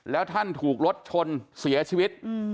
แล้วท่านถูกรถชนเสียชีวิต